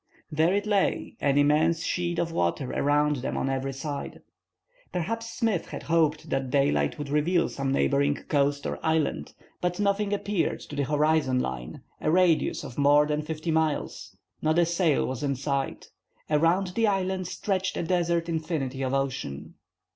There it lay, an immense sheet of water around them on every side. Perhaps Smith had hoped that daylight would reveal some neighboring coast or island. But nothing appeared to the horizon line, a radius of more than fifty miles. Not a sail was in sight. Around the island stretched a desert infinity of ocean.